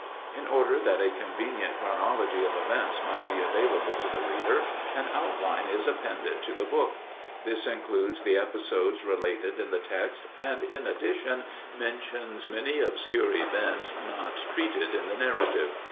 In order that a convenient chronology of events might be available to the reader, an outline is appended to the book. This includes the episodes related in the text and in addition mentions many obscure events not treated in the narrative.